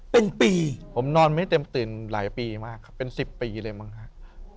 เป็นปีผมนอนไม่เต็มตื่นหลายปีมากครับเป็น๑๐ปีเลยมั้งครับ